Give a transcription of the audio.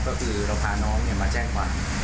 ก็คือเราพาน้องมาแจ้งความ